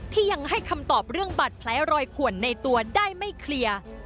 ที่ยังให้คำตอบเรื่องบาดแผลรอยขวนในตัวได้ไม่เคลียร์